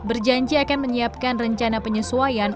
berjanji akan menyiapkan rencana penyesuaian